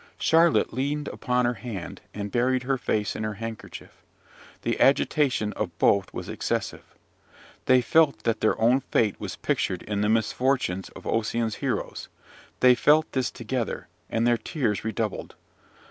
Charlotte leaned upon her hand, and buried her face in her handkerchief: the agitation of both was excessive. They felt that their own fate was pictured in the misfortunes of Ossian's heroes, they felt this together, and their tears redoubled.